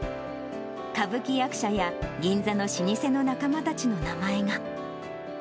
歌舞伎役者や、銀座の老舗の仲間たちの名前が。